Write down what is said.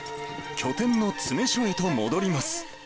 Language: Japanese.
拠点の詰め所へと戻ります。